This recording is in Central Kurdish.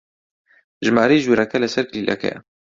ژمارەی ژوورەکە لەسەر کلیلەکەیە.